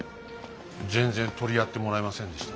全然取り合ってもらえませんでした。